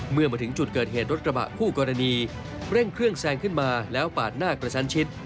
เมื่อมาถึงจุดเกิดเหตุรถกระบะคู่กรณีเร่งเครื่องแซงขึ้นมาแล้วปาดหน้ากระชั้นชิด